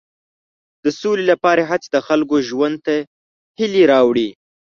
د سولې لپاره هڅې د خلکو ژوند ته هیلې راوړي.